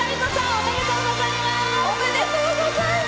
おめでとうございます。